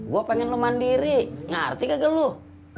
gua pengen lu mandiri ngerti gak geluh